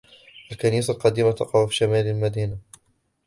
الكنيسة القديمة تقع في شمال المدينة